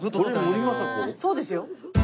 そうですよ。